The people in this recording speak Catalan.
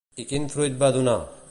I quin fruit va donar?